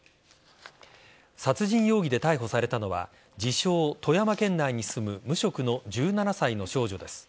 殺人容疑で逮捕されたのは自称、富山県内に住む無職の１７歳の少女です。